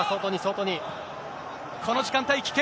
この時間帯、危険。